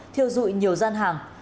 thiêu dụi nhiều gian hàng